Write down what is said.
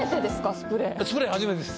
スプレー初めてです。